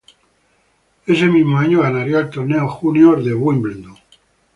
Ese mismo año ganaría el torneo junior de Wimbledon.